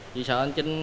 vì sợ anh trinh